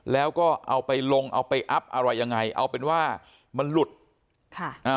แล้วก็เอาไปลงเอาไปอัพอะไรยังไงเอาเป็นว่ามันหลุดค่ะอ่า